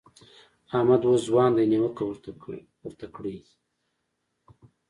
احمد اوس ځوان دی؛ نيوکه ورته کړئ.